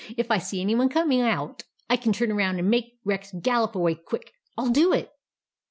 " If I see any one coming out, I can turn around and make Rex gallop away quick. I '11 do it